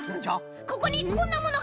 ここにこんなものが！